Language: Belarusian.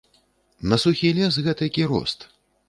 На сухі лес гэтакі рост.